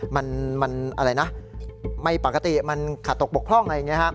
มันไม่ปกติมันถูกปกครอง